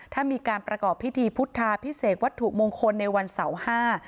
ถ้ามีการประกอบพิธีพุทธาพิเศษวัตถุมงคลในวันเสาร์ห้า